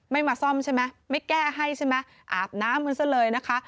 มาซ่อมใช่ไหมไม่แก้ให้ใช่ไหมอาบน้ำกันซะเลยนะคะ